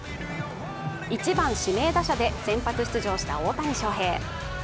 １番指名打者で先発出場した大谷翔平。